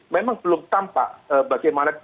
memang belum tampak bagaimana